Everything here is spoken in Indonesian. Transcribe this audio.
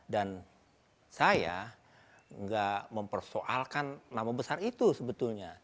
dan saya enggak mempersoalkan nama besar itu